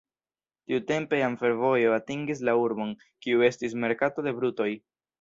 Tiutempe jam fervojo atingis la urbon, kiu estis merkato de brutoj.